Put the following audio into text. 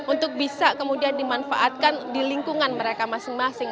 untuk bisa kemudian dimanfaatkan di lingkungan mereka masing masing